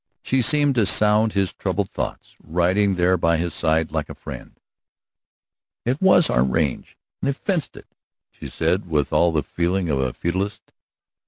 She seemed to sound his troubled thoughts, riding there by his side like a friend. "It was our range, and they fenced it!" she said, with all the feeling of a feudist.